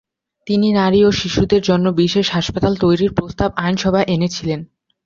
তিনি নারী ও শিশুদের জন্য বিশেষ হাসপাতাল তৈরীর প্রস্তাব আইনসভায় এনেছিলেন।